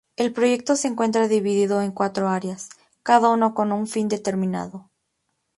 El proyecto se encuentra dividido en cuatro áreas, cada uno con un fin determinado.